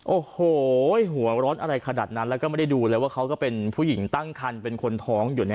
โอ้โหหัวร้อนอะไรขนาดนั้นแล้วก็ไม่ได้ดูเลยว่าเขาก็เป็นผู้หญิงตั้งคันเป็นคนท้องอยู่